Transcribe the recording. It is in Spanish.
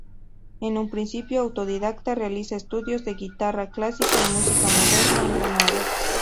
En un principio autodidacta, realiza estudios de guitarra clásica y música moderna en Granada.